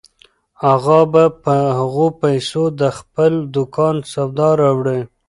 اغا به په هغو پیسو د خپل دوکان سودا راوړي.